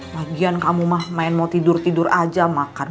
lagian kamu mah main mau tidur tidur aja makan